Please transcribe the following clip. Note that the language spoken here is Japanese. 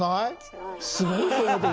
すごいね。